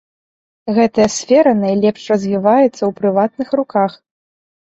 Гэтая сфера найлепш развіваецца ў прыватных руках.